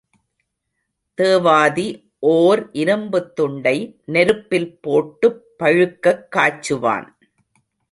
தேவாதி ஓர் இரும்புத் துண்டை நெருப்பில் போட்டுப் பழுக்கக் காய்ச்சுவான்.